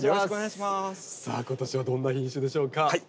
さあ今年はどんな品種でしょうか？